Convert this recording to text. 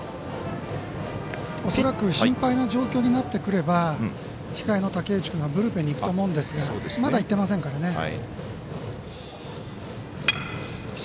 恐らく心配な状況になってくれば控えの武内君がブルペンに行くと思うんですがまだ行ってませんからね。